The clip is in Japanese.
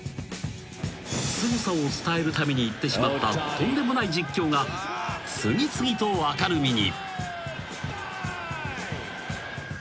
［すごさを伝えるために言ってしまったとんでもない実況が次々と明るみに］